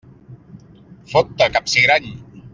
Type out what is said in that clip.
Fot-te, capsigrany!